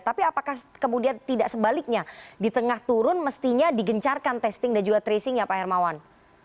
tapi apakah kemudian tidak sebaliknya di tengah turun mestinya digencarkan testing dan juga tracing ya pak hermawan